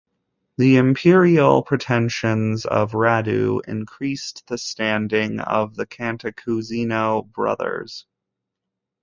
The imperial pretensions of Radu increased the standing of the Cantacuzino brothers.